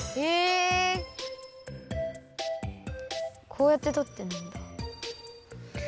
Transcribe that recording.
こうやってとってるんだ。